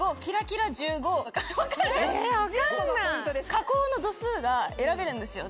加工の度数が選べるんですよ